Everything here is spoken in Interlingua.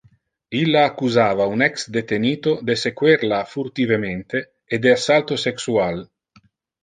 Illa accusava un ex-detenito de sequer la furtivemente e de assalto sexual.